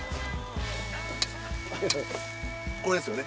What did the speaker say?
これですよね？